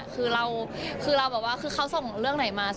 คือเราแบบว่าคือเขาส่งเรื่องไหนมา